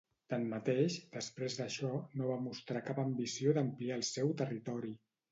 Tanmateix, després d'això no va mostrar cap ambició d'ampliar el seu territori.